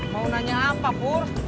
mau nanya apa pur